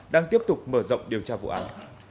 đang tiếp tục mở rộng điều tra vụ án